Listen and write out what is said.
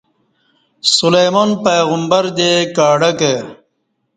سلیمان پیغمبردے کاڈک ہ